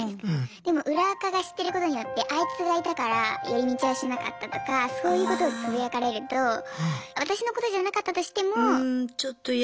でも裏アカが知ってることによってあいつがいたから寄り道はしなかったとかそういうことをつぶやかれると私のことじゃなかったとしても。